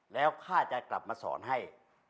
แล้วข้าจะกลับมาสอนให้